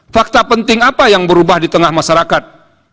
fakta penting apa yang berubah di tengah masyarakat